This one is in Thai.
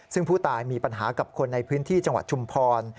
ซึ่งผู้ตายมีปัญหากับคนในพื้นที่จังหวัดชุมพร